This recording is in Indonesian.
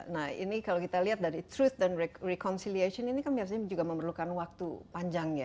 nah ini kalau kita lihat dari treat dan reconciliation ini kan biasanya juga memerlukan waktu panjang ya